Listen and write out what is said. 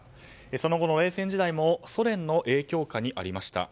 その後の冷戦時代もソ連の影響下にありました。